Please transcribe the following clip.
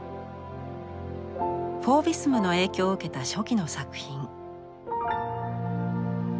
フォーヴィスムの影響を受けた初期の作品。